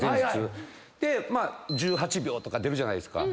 「１８秒」とか出るじゃないですか。